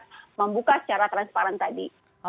dan mengusut kasus ini